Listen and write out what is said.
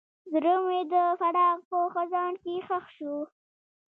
زړه مې د فراق په خزان کې ښخ شو.